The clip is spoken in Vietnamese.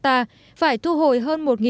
phải thu hồi hơn một ba trăm linh